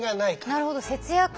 なるほど節約で。